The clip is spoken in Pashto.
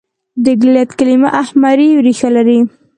د ګلټ کلیمه اهمري ریښه لري.